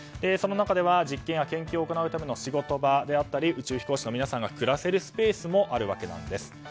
その中では実験や研究を行うための仕事場だったり宇宙飛行士の皆さんが暮らせるスペースもあるわけなんです。